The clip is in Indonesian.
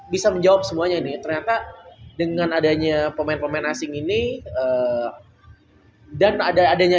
bisa menjawab semuanya ini ternyata dengan adanya pemain pemain asing ini dan ada adanya